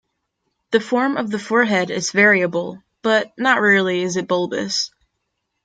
The form of the forehead is variable, but not rarely it is bulbous.